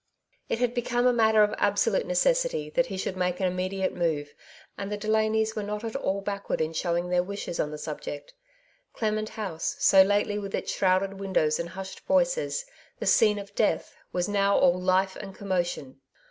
It had become a matter of absolute necessity that he should make an immediate move, and the Delanyg were not at all backward in showing their wishes on the subject. Clement House, so lately, with its shrouded windows and hushed voices, the scene of death, was now all life and commotion.